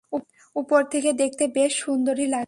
উপর থেকে দেখতে বেশ সুন্দরই লাগে।